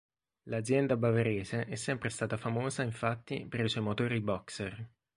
L'azienda bavarese è sempre stata famosa infatti per i suoi motori boxer.